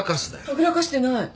はぐらかしてない。